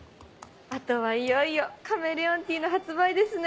あとはいよいよカメレオンティーの発売ですね。